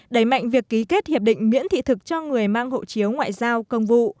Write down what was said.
đẩy mạnh việc ký kết hiệp định miễn thị thực cho người mang hộ chiếu ngoại giao công vụ